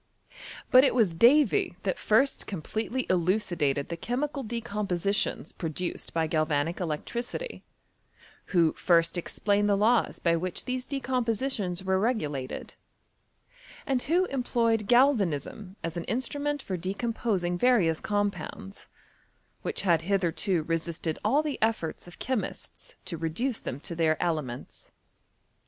But it was Davy that first completely elucidated the chemical decompositions produced by galvanic electricity, who first explained the laws by which these decompositions were regulated, and who em ployed galvanism as an instrument for decomposing various compounds, which had hitherto resisted all the efforts of chemists to reduce them to their ele ments.